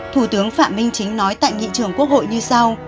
thủ tướng phạm minh chính nói tại nghị trường quốc hội như sau